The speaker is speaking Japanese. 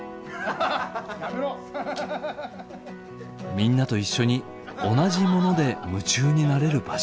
みんなと一緒に同じもので夢中になれる場所。